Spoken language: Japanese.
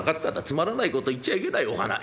つまらないこと言っちゃいけないお花。